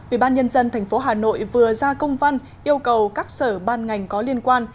ủy ban nhân dân thành phố hà nội vừa ra công văn yêu cầu các sở ban ngành có liên quan